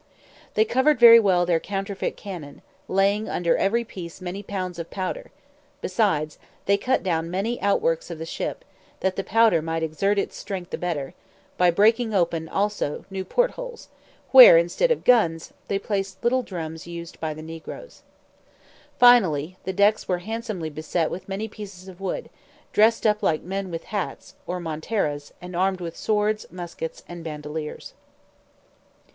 They covered very well their counterfeit cannon, laying under every piece many pounds of powder; besides, they cut down many outworks of the ship, that the powder might exert its strength the better; breaking open, also, new port holes, where, instead of guns, they placed little drums used by the negroes. Finally, the decks were handsomely beset with many pieces of wood, dressed up like men with hats, or monteras, and armed with swords, muskets, and bandeleers.